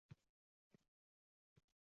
- Hoji bobo